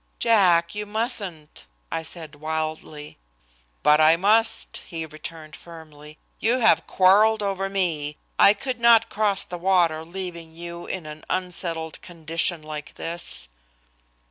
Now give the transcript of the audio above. "Jack, you mustn't," I said wildly. "But I must," he returned firmly. "You have quarrelled over me. I could not cross the water leaving you in an unsettled condition like this."